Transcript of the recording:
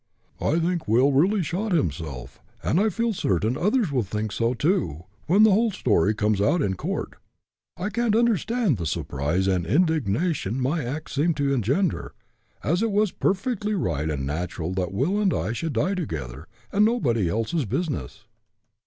I think Will really shot himself, and I feel certain others will think so, too, when the whole story comes out in court. I can't understand the surprise and indignation my act seemed to engender, as it was perfectly right and natural that Will and I should die together, and nobody else's business.